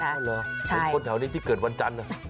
ใช่เพราะคนแถวนี้ที่เกิดวันจันทร์น่ะ